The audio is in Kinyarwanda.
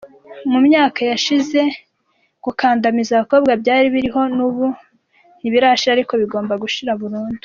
Mu myaka yashize gukandamiza abakobwa byari biriho n’ubu ntibirashira ariko bigomba gushira burundu.